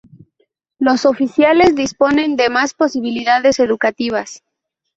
Los oficiales disponen de más posibilidades educativas.